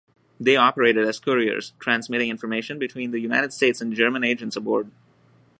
They operated as couriers, transmitting information between the United States and German agents aboard.